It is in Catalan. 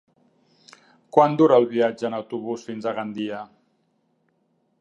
Quant dura el viatge en autobús fins a Gandia?